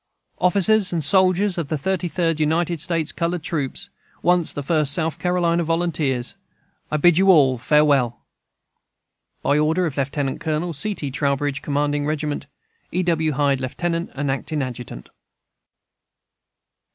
Officers and soldiers of the Thirty Third United States Colored Troops, once the First South Carolina Volunteers, I bid you all farewell! By order of Lt. Col. C. T. TROWBRIDGE, commanding Regiment E. W. HYDE, Lieutenant and Acting Adjutant.